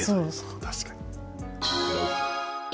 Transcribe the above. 確かに。